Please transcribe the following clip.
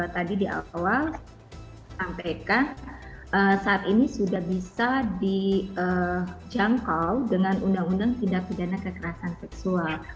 tadi di awal sampaikan saat ini sudah bisa dijangkau dengan undang undang tindak pidana kekerasan seksual